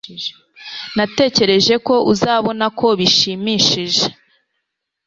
Natekereje ko uzabona ko bishimishije